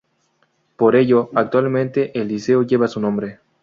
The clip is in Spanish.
Por ello, actualmente el liceo lleva su nombre.